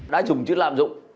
đãi dùng chứ làm dụng